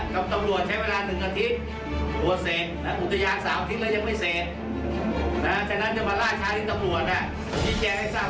กับตำรวจใช้เวลา๑อาทิตย์อุตญาณ๓อาทิตย์แล้วยังไม่เสร็จ